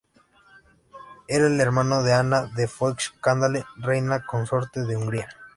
Era el hermano de Ana de Foix-Candale, reina consorte de Hungría.